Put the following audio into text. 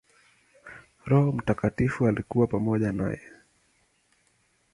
Roho Mtakatifu alikuwa pamoja naye.